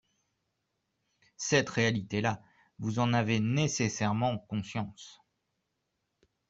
Cette réalité-là, vous en avez nécessairement conscience.